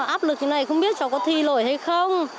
áp lực như này không biết cháu có thi lỗi hay không